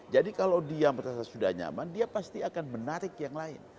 kalau dia merasa sudah nyaman dia pasti akan menarik yang lain